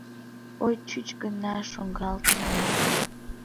Ой, чуч гына шуҥгалтын омыл.